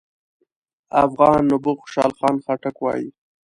افغان نبوغ خوشحال خان خټک وايي: